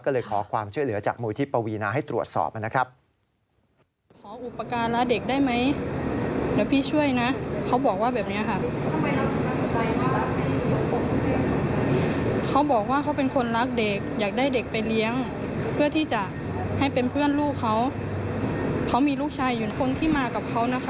ก็เลยขอความช่วยเหลือจากมูลที่ปวีนาให้ตรวจสอบนะครับ